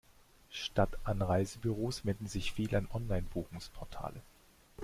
Statt an Reisebüros wenden sich viele an Online-Buchungsportale.